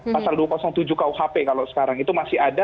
pasal dua ratus tujuh kuhp kalau sekarang itu masih ada